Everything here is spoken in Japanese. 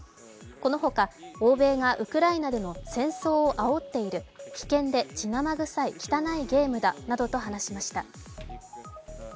このほか、欧米がウクライナでの戦争をあおっている危険で血なまぐさい汚いゲームだなどと話しました。